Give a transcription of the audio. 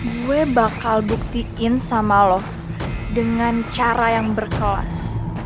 gue bakal buktiin sama lo dengan cara yang berkelas